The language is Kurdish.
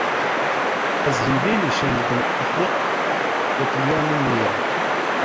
Ez hîvê nîşan didim, ehmeq li tilîya min dinêre.